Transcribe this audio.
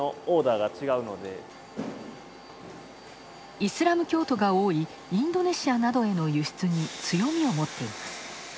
イスラム教徒が多いインドネシアなどへの輸出に強みを持っています。